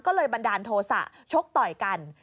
ก็เลยบันดาลโทษะชกต่อยกัน